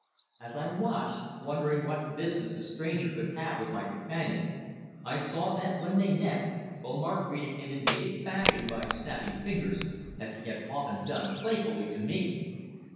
As I watched, wondering what business the stranger could have with my companion, I saw that when they met Omar greeted him in native fashion by snapping fingers, as he had often done playfully to me.